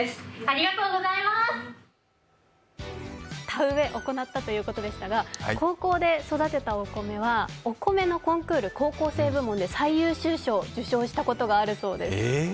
田植えを行ったということですが高校で育てたお米はお米のコンクール、高校生部門で最優秀賞を受賞したことがあるそうです。